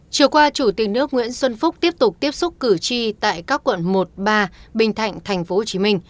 chiều qua chủ tịch nước nguyễn xuân phúc tiếp tục tiếp xúc cử tri tại các quận một ba bình thạnh tp hcm